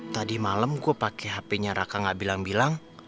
tadi malem gua pake hpnya raka gak bilang bilang